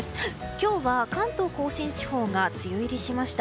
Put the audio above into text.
今日は関東・甲信地方が梅雨入りしました。